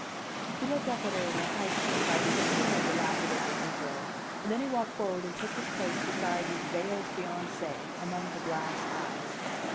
He looked up at her on her high seat by the extremely dilapidated negro, and then he walked forward and took his place beside his veiled fiancee, among the glass eyes.